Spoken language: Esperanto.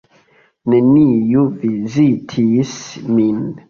Neniu vizitis min.